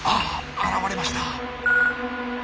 現れました。